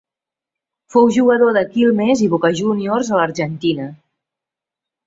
Fou jugador de Quilmes i Boca Júniors a l'Argentina.